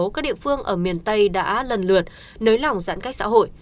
các địa phương ở miền tây đã lần lượt nới lỏng giãn cách xã hội